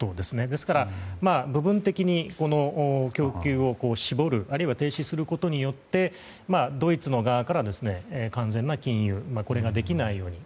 ですから、部分的に供給を絞るあるいは停止することによってドイツの側から完全な禁輸これができないように。